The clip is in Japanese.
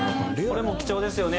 これも貴重ですよね。